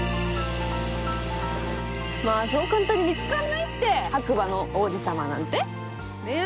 まあそう簡単に見つかんないって白馬の王子様なんて。